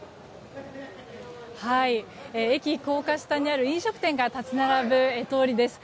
駅高架下にある飲食店が立ち並ぶ通りです。